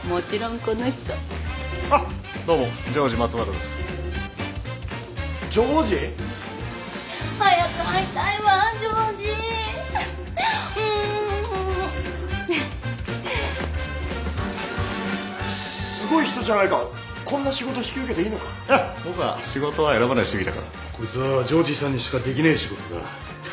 こいつはジョージさんにしかできねえ仕事だ